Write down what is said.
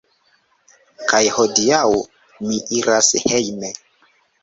Kaj hodiaŭ mi iras hejme